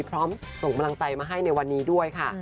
ส่งกำลังใจมาให้ในวันนี้ด้วยค่ะ